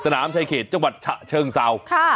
น้ำชายเขตจังหวัดเชิงเศรา